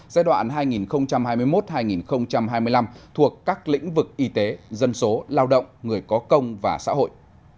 giai đoạn hai nghìn hai mươi một hai nghìn hai mươi năm thuộc các lĩnh vực y tế dân số lao động người có công và xã hội